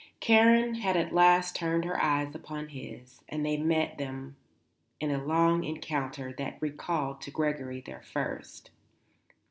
Karen had at last turned her eyes upon his and they met them in a long encounter that recalled to Gregory their first.